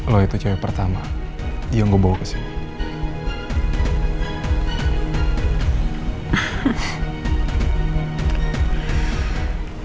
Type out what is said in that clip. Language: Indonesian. lo itu cewek pertama yang gue bawa kesini